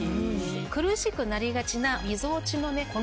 苦しくなりがちなみぞおちのこの部分。